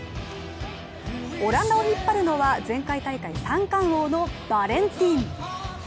オランダを引っ張るのは、前回大会三冠王のバレンティン。